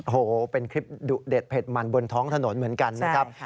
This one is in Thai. โอ้โหเป็นคลิปดุเด็ดเผ็ดมันบนท้องถนนเหมือนกันนะครับ